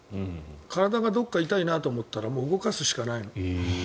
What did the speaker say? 体がどこか痛いなと思ったら動かすしかないの。